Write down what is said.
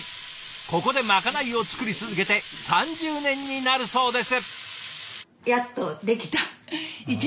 ここでまかないを作り続けて３０年になるそうです。